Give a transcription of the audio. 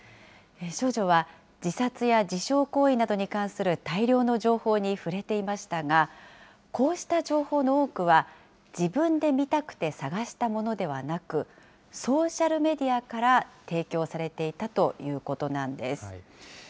少女は自殺や自傷行為などに関する大量の情報に触れていましたが、こうした情報の多くは、自分で見たくて探したものではなく、ソーシャルメディアから提供されていたということなんです。